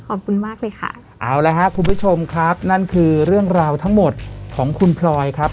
ขอบคุณมากเลยค่ะเอาละครับคุณผู้ชมครับนั่นคือเรื่องราวทั้งหมดของคุณพลอยครับ